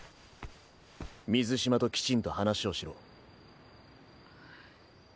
水嶋ときちんと話をしろ。